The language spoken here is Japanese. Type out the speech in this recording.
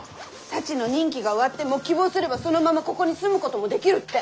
サチの任期が終わっても希望すればそのままここに住むこともできるって。